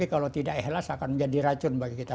kalau tidak ikhlas akan menjadi racun bagi kita